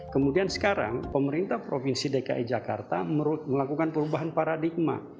kemudian sekarang pemerintah provinsi dki jakarta melakukan perubahan paradigma